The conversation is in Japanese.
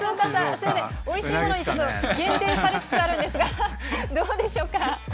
すいませんおいしいものにちょっと限定されつつあるんですがどうでしょうか？